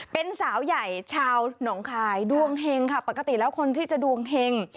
เป็นสาวใหญ่ชาวหนองคายดวงเห็งค่ะปกติแล้วคนที่จะดวงเฮง